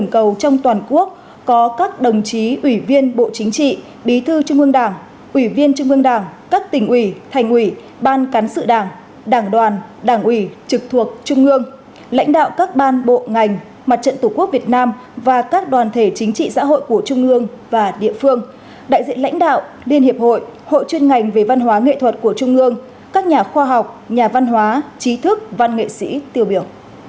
lãnh đạo các ban bộ ngành mặt trận tổ quốc việt nam và các đoàn thể chính trị xã hội của trung ương và địa phương đại diện lãnh đạo liên hiệp hội hội chuyên ngành về văn hóa nghệ thuật của trung ương các nhà khoa học nhà văn hóa trí thức văn nghệ sĩ tiêu biểu